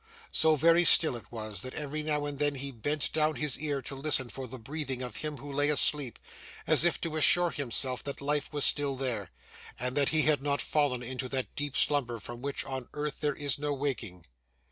So very still it was, that, every now and then, he bent down his ear to listen for the breathing of him who lay asleep, as if to assure himself that life was still there, and that he had not fallen into that deep slumber from which on earth there is no waking.